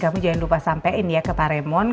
kamu jangan lupa sampein ya ke pak raymond